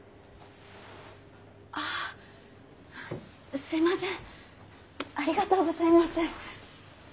あすみませんありがとうございます。